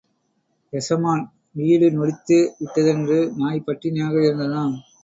எசமான் வீடு நொடித்து விட்டதென்று நாய் பட்டினியாக இருந்ததாம்.